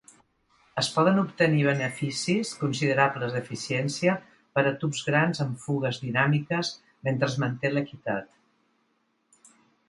Es poden obtenir beneficis considerables d'eficiència per a tubs grans amb fugues dinàmiques mentre es manté l'equitat.